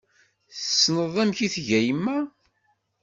Tessneḍ amek i tga yemma.